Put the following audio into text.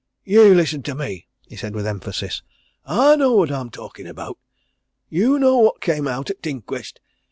"Ye listen to me!" he said with emphasis. "I know what I'm talking about. Ye know what came out at t' inquest.